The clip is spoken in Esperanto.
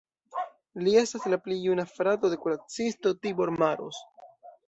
Li estas la pli juna frato de kuracisto Tibor Maros.